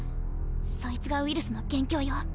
そいつがウイルスの元凶よ。